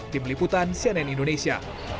tim liputan cnn indonesia